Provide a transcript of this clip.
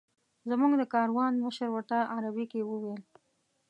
زموږ د کاروان مشر ورته عربي کې وویل.